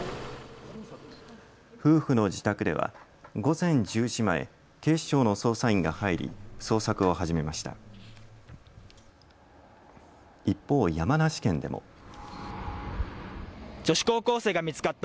夫婦の自宅では午前１０時前警視庁の捜査員が入り、捜索を始めました。